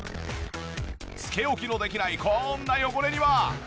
つけ置きのできないこんな汚れには。